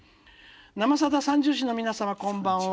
「生さだ三銃士の皆様こんばんは」。